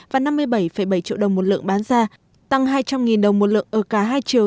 và năm mươi bảy bảy triệu đồng một lượng bán ra tăng hai trăm linh đồng một lượng ở cả hai triệu